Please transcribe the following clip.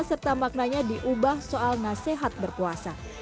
serta maknanya diubah soal nasihat berpuasa